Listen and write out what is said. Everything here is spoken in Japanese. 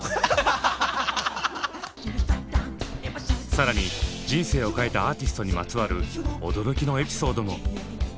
更に人生を変えたアーティストにまつわる驚きのエピソードも。